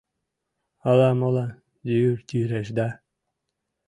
Ала-молан, йӱр йӱреш да